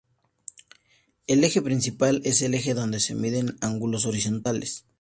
El eje principal es el eje donde se miden ángulos horizontales.